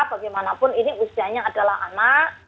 bagaimanapun ini usianya adalah anak